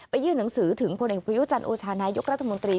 ยื่นหนังสือถึงพลเอกประยุจันทร์โอชานายกรัฐมนตรี